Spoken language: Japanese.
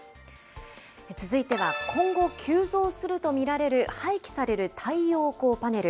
続いては今後、急増すると見られる廃棄される太陽光パネル。